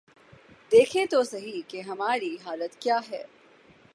دیکھیں تو سہی کہ ہماری حالت کیا ہے۔